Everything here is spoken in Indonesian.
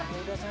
eh udah sani